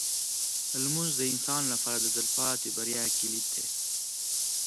لمونځ د انسان لپاره د تلپاتې بریا کلید دی.